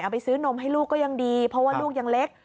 ไปซื้อนมให้ลูกก็ยังดีเพราะว่าลูกยังเล็ก